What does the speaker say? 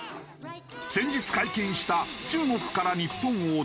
先日解禁した中国から日本を訪れる団体旅行。